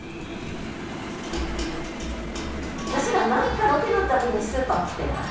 私ら何かロケの度にスーパー来てない？